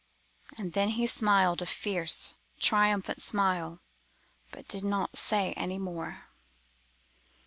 —and then he smiled a fierce, triumphant smile, but did not say any more.